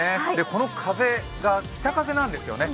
この風が北風なんですよね。